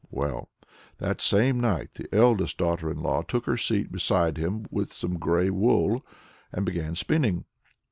Well, that same night the eldest daughter in law took her seat beside him with some grey wool, and began spinning.